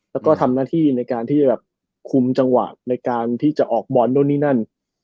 แล้วก็ทำหน้าที่ในการที่จะแบบคุมจังหวะในการที่จะออกบอลโน้นนี่นั่น